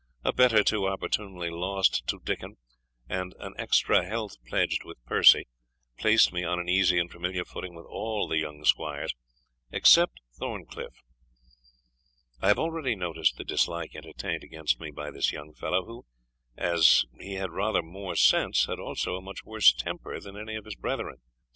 A bet or two opportunely lost to Dickon, and an extra health pledged with Percie, placed me on an easy and familiar footing with all the young squires, except Thorncliff. I have already noticed the dislike entertained against me by this young fellow, who, as he had rather more sense, had also a much worse temper, than any of his brethren.